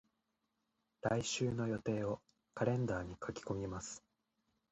来週の予定をカレンダーに書き込みます。